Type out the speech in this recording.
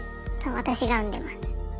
私が産んでます。